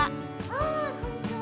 あこんにちは！